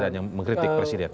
dan yang mengkritik presiden